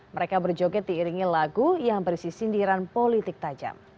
mereka berjoget diiringi lagu yang berisi sindiran politik tajam